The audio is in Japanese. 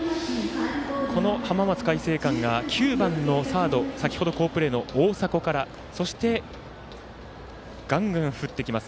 この浜松開誠館が９番のサード先ほど好プレーの大迫からそして、ガンガン振ってきます